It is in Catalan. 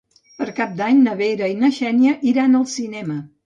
Per Cap d'Any na Vera i na Xènia iran al cinema.